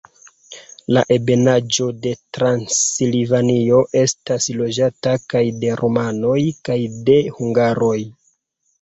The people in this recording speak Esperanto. La Ebenaĵo de Transilvanio estas loĝata kaj de rumanoj kaj de hungaroj.